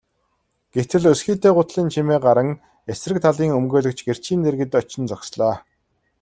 Гэтэл өсгийтэй гутлын чимээ гаран эсрэг талын өмгөөлөгч гэрчийн дэргэд очин зогслоо.